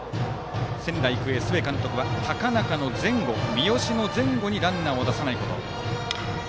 仙台育英の須江監督は高中の前後と三好の前後にランナーを出さないこと。